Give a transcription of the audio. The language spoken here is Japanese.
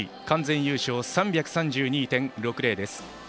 完全優勝、３３２．６０です。